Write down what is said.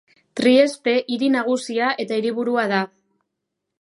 Trieste hiri nagusia eta hiriburua da.